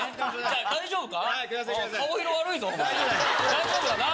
大丈夫だな？